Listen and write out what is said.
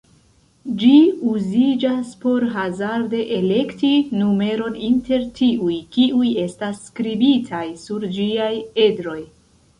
Ĝi uziĝas por hazarde elekti numeron inter tiuj kiuj estas skribitaj sur ĝiaj edroj.